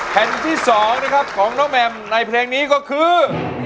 แผ่นที่๒นะครับของน้องแมมในเพลงนี้ก็คือ